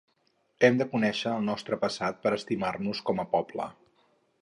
Hem de conèixer el nostre passat per estimar-nos com a poble.